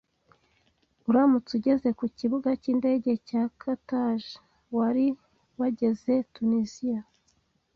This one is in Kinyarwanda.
Uramutse ugeze ku kibuga cyindege cya Carthage wari wajyeze Tuniziya